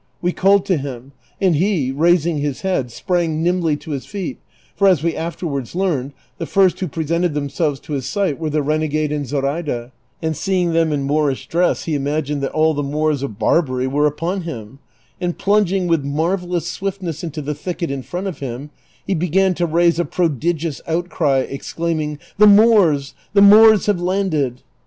We called to him, and he, raising his head, sprang iiimljly to his feet, for, as we afterwards learned, the first who pre sented themselves to his sight were the renegade and Zoraida, and seeing them in ^loorish dress he imagined that all the ]Moors of Bar bary were upon him ; and plunging with marvellous swiftness mto the thicket in front of him, he began to raise a prodigious outcry, ex claiming, "The Moors — the Moors have landed!"